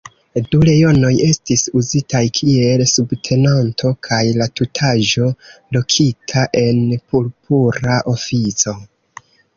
Du leonoj estis uzitaj kiel subtenanto kaj la tutaĵo lokita en purpura ofico.